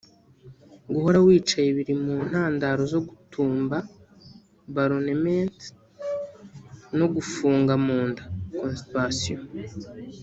guhora wicaye biri mu ntandaro zo gutumba (ballonements) ndetse no gufunga mu nda (constipation)